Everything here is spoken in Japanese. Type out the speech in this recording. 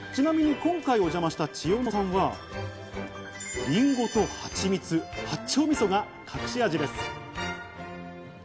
ちなみに今回、お邪魔した千代乃さんはりんごとハチミツ、八丁味噌が隠し味です。